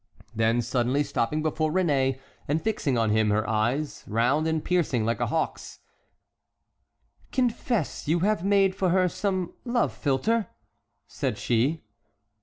Then suddenly stopping before Réné, and fixing on him her eyes, round and piercing like a hawk's: "Confess you have made for her some love philter," said she.